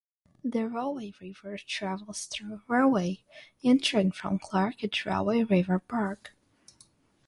The Rahway River travels through Rahway, entering from Clark at Rahway River Park.